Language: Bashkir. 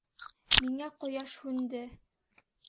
Миңә ҡояш һүнде.